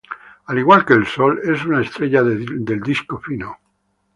Al igual que el Sol, es una estrella del disco fino.